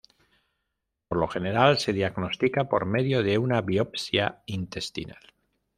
Por lo general se diagnostica por medio de una biopsia intestinal.